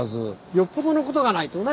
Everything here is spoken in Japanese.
よっぽどのことがないとね